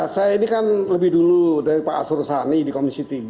saya ini kan lebih dulu dari pak asrul sani di komisi tiga